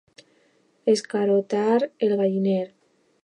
Escarotar el galliner.